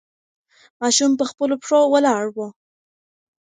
ماشوم په خپلو پښو ولاړ و.